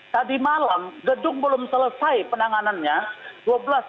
tadi malam gedung belum selesai penanganannya